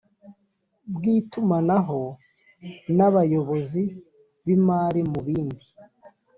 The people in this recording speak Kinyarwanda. bw itumanaho n abayobozi b imari mu bindi